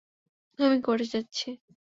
আমি কোর্টে যাচ্ছি।